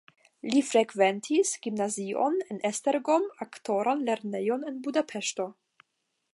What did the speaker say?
Li frekventis gimnazion en Esztergom, aktoran lernejon en Budapeŝto.